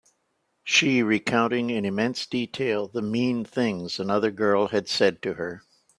She recounting in immense detail the mean things another girl had said to her.